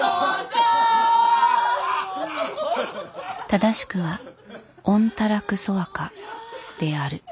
正しくはオンタラクソワカである。